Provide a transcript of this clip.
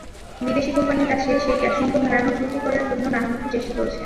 বিদেশি কোম্পানির কাছে সেই গ্যাসসম্পদ হারানোর চুক্তি করার জন্য নানামুখী চেষ্টা চলছে।